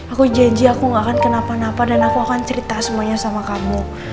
aku janji aku gak akan kenapa napa dan aku akan cerita semuanya sama kamu